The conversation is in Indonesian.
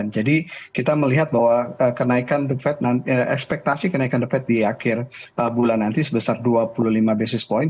jadi kita melihat bahwa ekspektasi kenaikan the fed di akhir bulan nanti sebesar dua puluh lima basis point